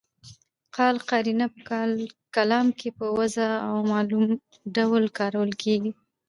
قال قرینه په کلام کي په واضح او معلوم ډول کارول کیږي.